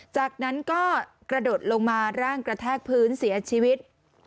จากนั้นก็กระโดดลงมาร่างกระแทกพื้นเสียชีวิต